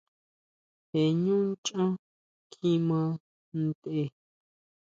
Je ʼñú nchán kjima tʼen.